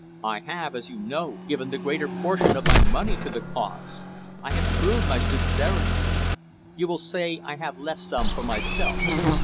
I have, as you know, given the greater portion of my money to the cause. I have proved my sincerity. You will say I have left some for myself.